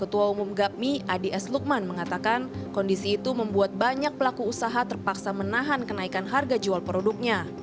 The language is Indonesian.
ketua umum gapmi adi s lukman mengatakan kondisi itu membuat banyak pelaku usaha terpaksa menahan kenaikan harga jual produknya